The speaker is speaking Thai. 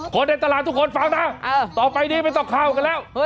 คนในตลาดทุกคนฟังนะต่อไปนี้ไม่ต้องเข้ากันแล้ว